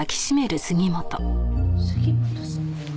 杉本さん。